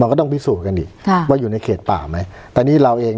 ก็ต้องพิสูจน์กันอีกค่ะว่าอยู่ในเขตป่าไหมแต่นี่เราเอง